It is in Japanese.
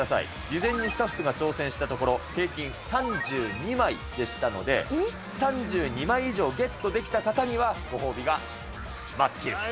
事前にスタッフが挑戦したところ、平均３２枚でしたので、３２枚以上ゲットできた方には、ご褒美が待っていると。